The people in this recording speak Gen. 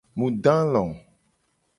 Mu do alo.